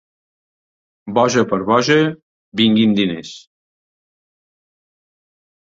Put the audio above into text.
Boja per boja, vinguin diners.